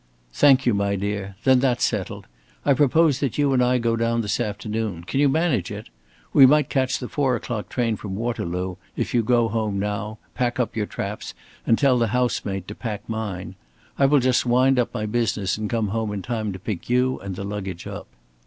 "Thank you, my dear! Then that's settled. I propose that you and I go down this afternoon. Can you manage it? We might catch the four o'clock train from Waterloo if you go home now, pack up your traps and tell the housemaid to pack mine. I will just wind up my business and come home in time to pick you and the luggage up."